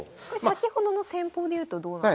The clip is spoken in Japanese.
これ先ほどの戦法でいうとどうなんですか？